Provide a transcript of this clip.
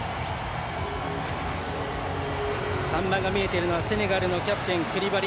３番が見えているのはセネガルのキャプテン、クリバリ。